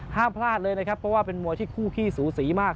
ห้ามพลาดเลยนะครับเพราะว่าเป็นมวยที่คู่ขี้สูสีมาก